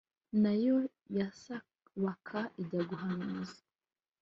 na yo sakabaka ijya guhanuza :